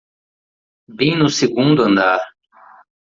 Bem no segundo andar.